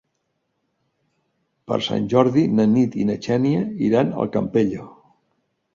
Per Sant Jordi na Nit i na Xènia iran al Campello.